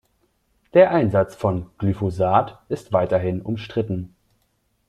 Der Einsatz von Glyphosat ist weiterhin umstritten.